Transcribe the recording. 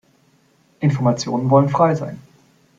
Informationen wollen frei sein.